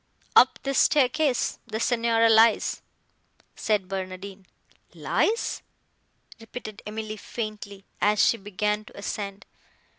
"Up this staircase the Signora lies," said Barnardine. "Lies!" repeated Emily faintly, as she began to ascend.